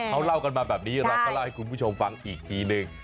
เขาเล่ากันมาแบบนี้เราก็เล่าให้คุณผู้ชมฟังอีกทีนึง